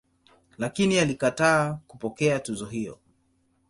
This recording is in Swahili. Lakini alikataa kupokea tuzo hiyo.